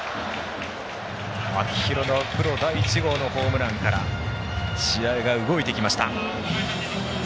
秋広のプロ第１号のホームランから試合が動いてきました。